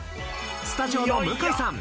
スタジオの向井さん